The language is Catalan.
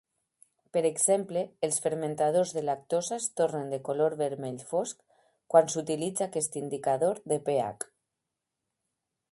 Per exemple, els fermentadors de lactosa es tornen de color vermell fosc quan s'utilitza aquest indicador de pH.